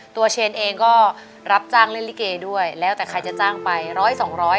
เชนเองก็รับจ้างเล่นลิเกด้วยแล้วแต่ใครจะจ้างไปร้อยสองร้อย